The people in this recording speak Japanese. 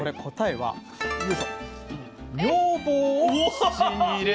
はい。